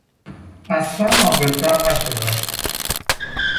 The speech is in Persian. اصلا عاقلتر نشده بود.